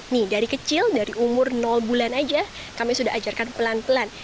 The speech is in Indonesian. nih dari kecil dari umur bulan aja kami sudah ajarkan pelan pelan